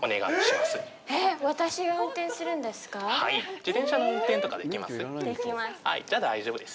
自転車の運転とかできます？